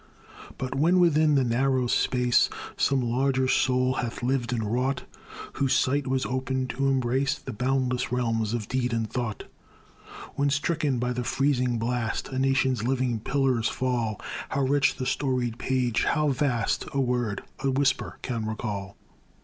But when within the narrow space Some larger soul hath lived and wrought, Whose sight was open to embrace The boundless realms of deed and thought, When, stricken by the freezing blast, A nation's living pillars fall, How rich the storied page, how vast, A word, a whisper, can recall!